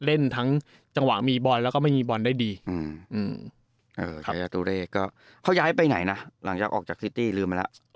เออใช่แยตุเรทก็เขาย้ายไปไหนนะหลังจากออกจากซิตี้ลืมมาแล้ว